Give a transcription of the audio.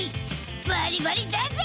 バリバリだぜ！